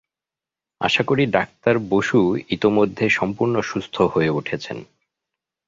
আশা করি, ডাক্তার বসু ইতোমধ্যে সম্পূর্ণ সুস্থ হয়ে উঠেছেন।